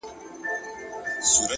خاموش سکوت ذهن روښانه کوي.